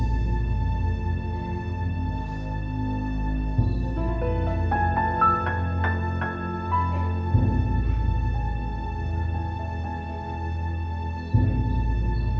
kau sudah tidak bisa lagi memberikan nafkah lahir batin pada bapak